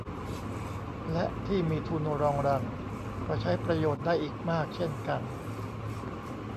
และที่มีทุนรองรังก็ใช้ประโยชน์ได้อีกมากเช่นกัน